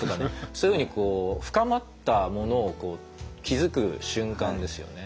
そういうふうに深まったものを気付く瞬間ですよね。